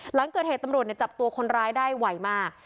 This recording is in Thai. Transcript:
หลังเกิดเหตุตำรวจจับตัวคนร้ายได้ไวมาก